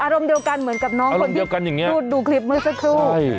อารมณ์เดียวกันเหมือนกับน้องพี่ดูคลิปเมื่อสักครู่อารมณ์เดียวกันอย่างนี้